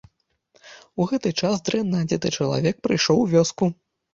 У гэты час дрэнна адзеты чалавек прыйшоў у вёску.